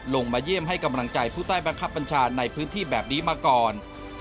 เยี่ยมให้กำลังใจผู้ใต้บังคับบัญชาในพื้นที่แบบนี้มาก่อน